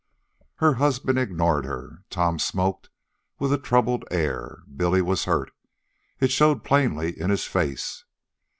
Her husband ignored her. Tom smoked with a troubled air. Billy was hurt. It showed plainly in his face.